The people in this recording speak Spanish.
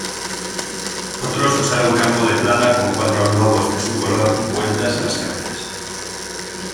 Otros usaron campo de plata con cuatro lobos de su color vueltas las cabezas.